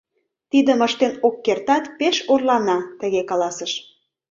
Тидым ыштен ок кертат, пеш орлана — тыге каласыш.